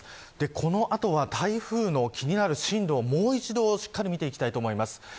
この後は台風の気になる進路をもう一度しっかりと見ていきたいと思います。